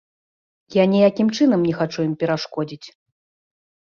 Я ніякім чынам не хачу ім перашкодзіць.